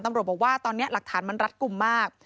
ตำรวจบอกว่าตอนนี้หลักฐานมันรัดกลุ่มมาก